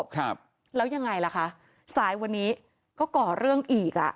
ครับแล้วยังไงล่ะคะสายวันนี้ก็ก่อเรื่องอีกอ่ะ